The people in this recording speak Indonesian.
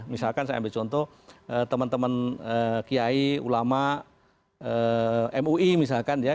misalkan saya ambil contoh teman teman kiai ulama mui misalkan ya